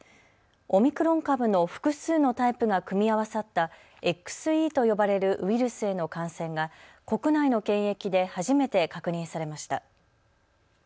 オミクロン株の複数のタイプが組み合わさったＸＥと呼ばれるウイルスへの感染が国内の検疫で初めて確認されました。